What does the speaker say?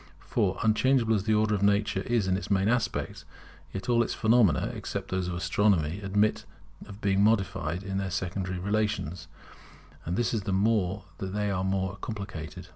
For, unchangeable as the Order of Nature is in its main aspects, yet all phenomena, except those of Astronomy, admit of being modified in their secondary relations, and this the more as they are more complicated.